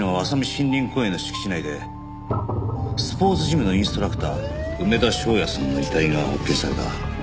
森林公園の敷地内でスポーツジムのインストラクター梅田翔也さんの遺体が発見された。